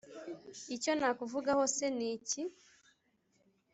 Icyo nakuvugaho se ni iki?